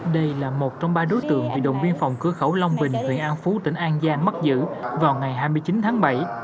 đây là một trong ba đối tượng bị động viên phòng cửa khẩu long bình huyện an phú tỉnh an giang bắt giữ vào ngày hai mươi chín tháng bảy